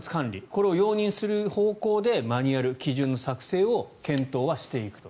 これを容認する方向でマニュアル、基準の作成を検討はしていくと。